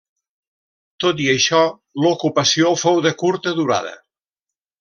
Tot i això, l'ocupació fou de curta durada.